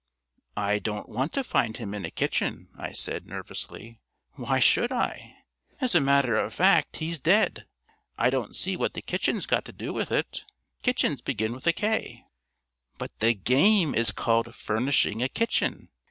"I don't want to find him in a kitchen," I said nervously. "Why should I? As a matter of fact he's dead. I don't see what the kitchen's got to do with it. Kitchens begin with a K." "But the game is called 'Furnishing a Kitchen.'